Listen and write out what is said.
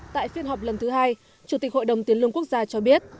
tại phiên họp lần thứ hai chủ tịch hội đồng tiến lương quốc gia cho biết